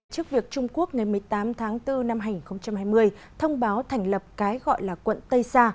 trước việc trung quốc ngày một mươi tám tháng bốn năm hai nghìn hai mươi thông báo thành lập cái gọi là quận tây sa